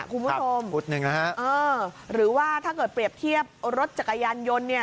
คุณผู้ชมหรือว่าถ้าเกิดเปรียบเทียบรถจักรยานยนต์เนี่ย